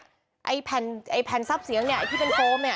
ไอ้แผ่นซับเสียงเนี่ยไอ้ที่เป็นฟองเนี่ย